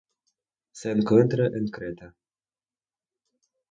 Se encuentra en Creta.